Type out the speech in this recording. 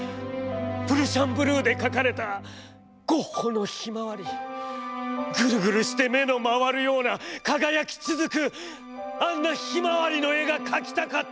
プルシャンブルーで描かれたゴッホのひまわりグルグルして目の廻るような輝きつづくあんなひまわりの絵が描きたかったのです。